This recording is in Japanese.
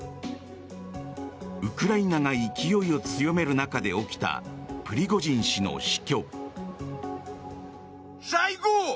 ウクライナが勢いを強める中で起きたプリゴジン氏の死去。